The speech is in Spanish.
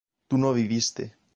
tú no viviste